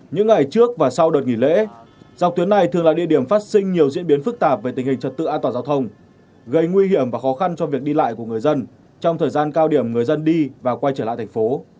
những ngày trước và sau đợt nghỉ lễ dọc tuyến này thường là địa điểm phát sinh nhiều diễn biến phức tạp về tình hình trật tự an toàn giao thông gây nguy hiểm và khó khăn cho việc đi lại của người dân trong thời gian cao điểm người dân đi và quay trở lại thành phố